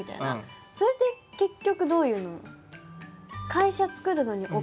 それって結局どういうの？